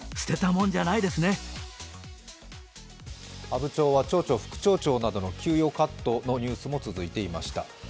阿武町は町長、副町長などの給与カットのニュースも続いていました。